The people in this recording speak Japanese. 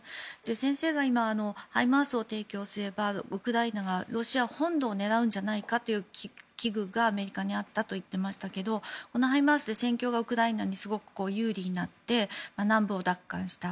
先生が今ハイマースを提供すればウクライナがロシア本土を狙うんじゃないかという危惧がアメリカにあったと言っていましたけどこのハイマースで戦況がウクライナに有利になって南部を奪還した。